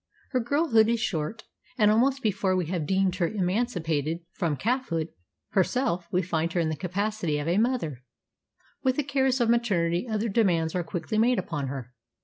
Her girlhood is short, and almost before we have deemed her emancipated from calfhood herself we find her in the capacity of a mother. With the cares of maternity other demands are quickly made upon her.